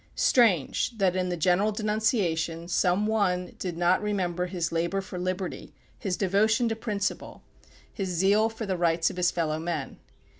Strange, that in the general denunciation some one did not remember his labor for liberty, his devotion to principle, his zeal for the rights of his fellow men.